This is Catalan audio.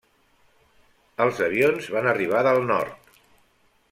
Els avions van arribar del Nord.